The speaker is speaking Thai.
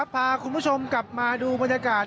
พาคุณผู้ชมกลับมาดูบรรยากาศ